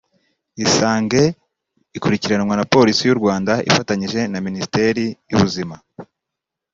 Isange ikurikiranwa na Polisi y’u Rwanda ifatanyije na Minisiteri y’Ubuzima